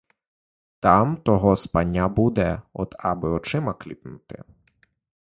Там того спання буде — от, аби очима кліпнути.